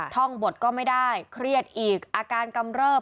ท่องบทก็ไม่ได้เครียดอีกอาการกำเริบ